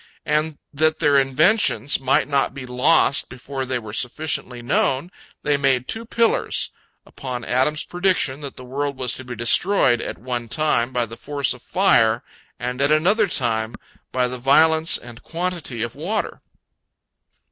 And that their inventions might not be lost before they were sufficiently known, they made two pillars, upon Adam's prediction that the world was to be destroyed at one time by the force of fire and at another time by the violence and quantity of water.